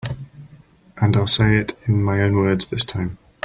And I'll say it in my own words this time.